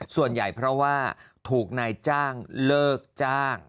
ส่วนใหญ่เพราะว่าถูกนายจ้างเลิกจ้าง